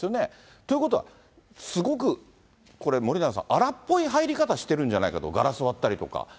ということは、すごくこれ、森永さん、荒っぽい入り方してるんじゃないかと、ガラスを割ったりとか。